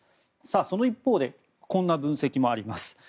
その一方でこんな分析もあります。